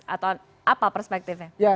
atau apa perspektifnya